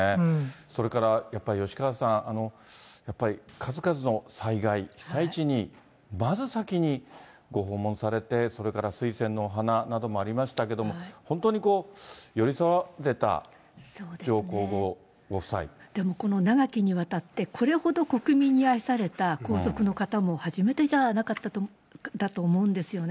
それからやっぱり吉川さん、やっぱり数々の災害、被災地に、まず先にご訪問されて、それから水仙のお花などもありましたけれども、本当にこう、でもこの長きにわたって、これほど国民に愛された皇族の方も初めてだと思うんですよね。